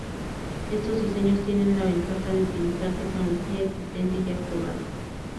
Estos diseños tienen la ventaja de utilizar tecnología existente y ya probada.